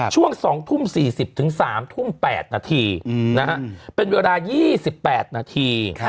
ช่วง๒ทุ่ม๔๐ถึง๓ทุ่ม๘นาทีนะครับเป็นเวลา๒๘นาที